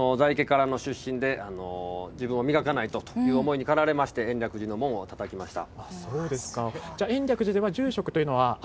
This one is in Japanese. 在家からの出身で自分を磨かないとという思いに駆られまして延暦寺の門をたたきました。